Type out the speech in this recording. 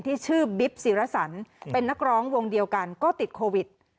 ที่ชื่อบิ๊บศิรสันเป็นนักร้องวงเดียวกันก็ติดโควิด